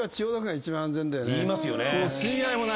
いいますよね。